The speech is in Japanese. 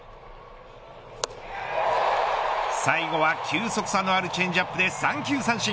最後は球速差のあるチェンジアップで３球三振。